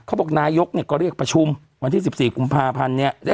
เขาบอกนายกเนี่ยก็เรียกประชุมวันที่๑๔กุมภาพันธ์เนี่ย